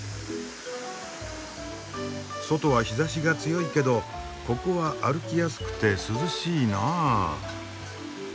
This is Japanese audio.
外は日ざしが強いけどここは歩きやすくて涼しいなあ。